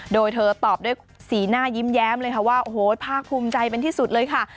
โดยเธอตอบด้วยสีหน้ายิ้มแย้มเลยค่ะว่าโอ้โหภาคภูมิใจเป็นที่สุดเลยค่ะ